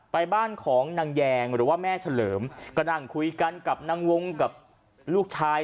ไปบ้านของนางแยงหรือว่าแม่เฉลิมก็นั่งคุยกันกับนางวงกับลูกชาย